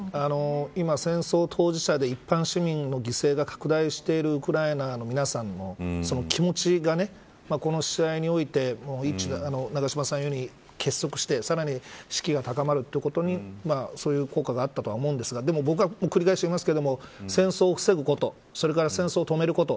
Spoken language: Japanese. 今、戦争当事者で、一般市民の犠牲が拡大しているウクライナの皆さんの気持ちが、この試合において永島さんが言うように、結束してさらに士気が高まるということにそういう効果があったとは思うんですがでも僕は、繰り返し言いますが戦争を防ぐことそれから戦争を止めること